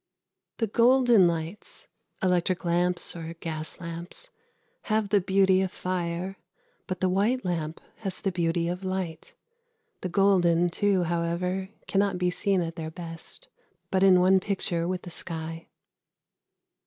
The golden lights electric lamps or gas lamps have the beauty of fire, but the white lamp has the beauty of light. The golden, too, however, cannot be seen at their best but in one picture with the sky.